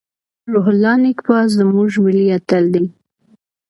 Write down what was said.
روح الله نیکپا زموږ ملي اتل دی.